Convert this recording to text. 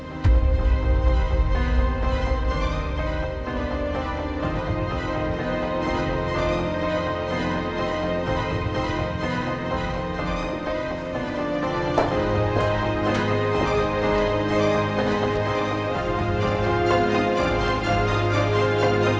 aku sudah tahu semuanya